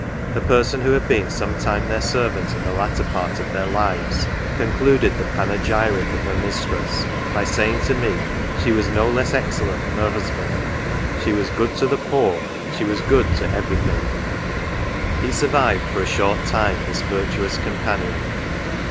A person who had been some time their servant in the latter part of their lives, concluded the panegyric of her mistress by saying to me, " she was no less excellent than her husband; she was good to the poor, she was good to every thing !" He survived for a short time this virtuous companion.